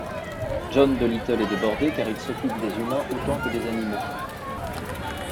John Dolittle est débordé car il s'occupe des humains autant que des animaux.